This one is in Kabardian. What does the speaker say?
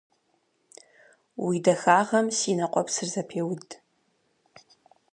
Уи дахагъэм си нэ къуэпсыр зэпеуд.